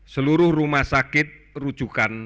seluruh rumah sakit rujukan